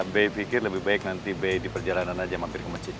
be pikir lebih baik nanti be di perjalanan aja mampir ke masjidnya